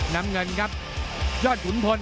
น้ำเงินครับยอดขุนพล